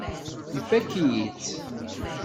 Ifakk-iyi-tt.